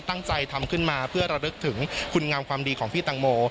ตั้งใจทำขึ้นมาเพื่อระลึกถึงคุณงามความดีของพี่ตังโม